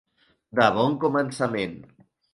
De bon començament.